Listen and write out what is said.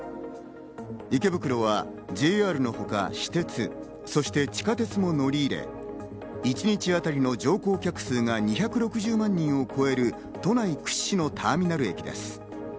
池袋はＪＲの他、私鉄、そして地下鉄も乗り入れ一日あたりの乗降客数が２６０万人を超える都内屈指のターミナル駅です。